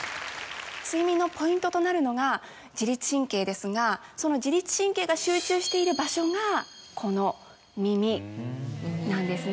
睡眠のポイントとなるのが自律神経ですがその自律神経が集中している場所がこの耳なんですね。